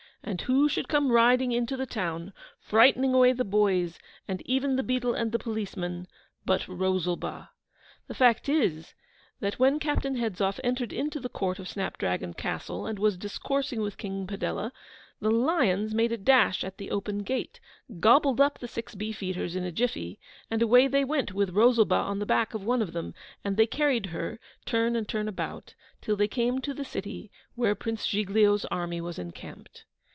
And who should come riding into the town, frightening away the boys, and even the beadle and policeman, but ROSALBA! The fact is, that when Captain Hedzoff entered into the court of Snapdragon Castle, and was discoursing with King Padella, the lions made a dash at the open gate, gobbled up the six beef eaters in a jiffy, and away they went with Rosalba on the back of one of them, and they carried her, turn and turn about, till they came to the city where Prince Giglio's army was encamped.